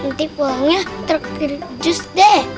nanti pulangnya terakhir just deh